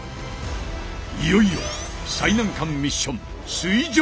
いよいよ最難関ミッション水上